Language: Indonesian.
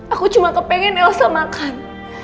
aku cuma kepengen elsa makan